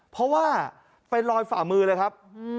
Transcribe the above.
เพราะว่าเป็นรอยฝ่ามือเลยครับ